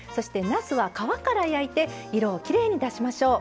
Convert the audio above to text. なすは皮から焼いて色をきれいに出しましょう。